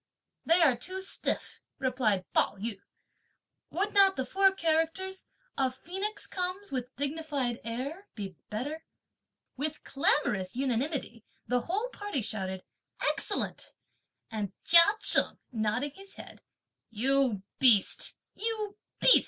"They are too stiff," replied Pao yü. "Would not the four characters: 'a phoenix comes with dignified air,' be better?" With clamorous unanimity the whole party shouted: "Excellent:" and Chia Cheng nodding his head; "You beast, you beast!"